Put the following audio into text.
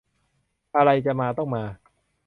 อะไรจะมาต้องมา